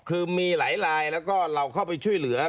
คือมีหลายลายแล้วก็เราเข้าไปช่วยเหลือ